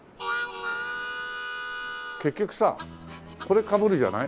結局さこれかぶるじゃない？